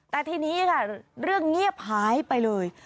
แต่ทีนี้ค่ะเรื่องเงียบหายไปเลย